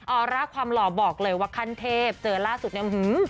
อร่าความหล่อบอกเลยว่าขั้นเทพเจอล่าสุดเนี่ย